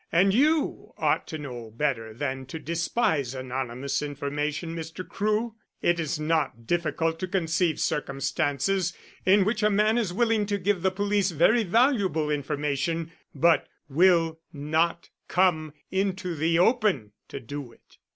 And you ought to know better than to despise anonymous information, Mr. Crewe. It is not difficult to conceive circumstances in which a man is willing to give the police very valuable information, but will not come into the open to do it."